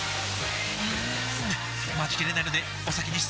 うーん待ちきれないのでお先に失礼！